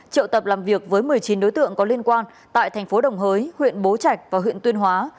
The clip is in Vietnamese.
triệu tập làm việc với một mươi chín đối tượng có liên quan tại thành phố đồng hới huyện bố trạch và huyện tuyên hóa